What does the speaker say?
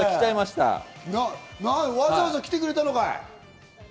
わざわざ来てくれたのかい？